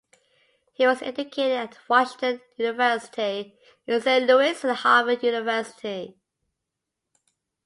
He was educated at Washington University in Saint Louis and Harvard University.